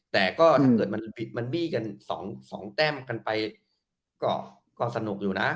แต่ก็มันบีกัน๒แต้มกันไปก็สนุกอยู่เนอะ